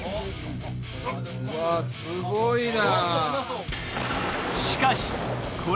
うわすごいな！